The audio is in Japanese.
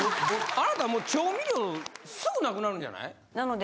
あなたもう調味料すぐなくなるんじゃない？なので。